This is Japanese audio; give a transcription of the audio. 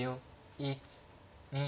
１２。